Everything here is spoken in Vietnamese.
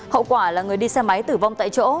hậu quả là người đi xe máy tử vong tại chỗ